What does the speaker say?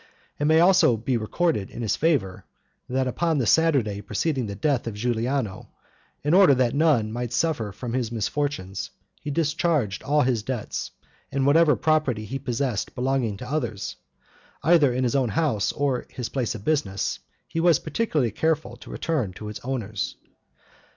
It may also be recorded in his favor, that upon the Saturday preceding the death of Giuliano, in order that none might suffer from his misfortunes, he discharged all his debts; and whatever property he possessed belonging to others, either in his own house or his place of business, he was particularly careful to return to its owners.